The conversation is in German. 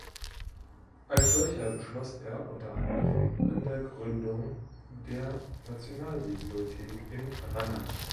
Als solcher beschloss er unter anderem an der Gründung der Nationalbibliothek in Rana.